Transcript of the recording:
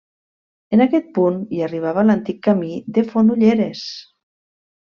En aquest punt hi arribava l'antic camí de Fonolleres.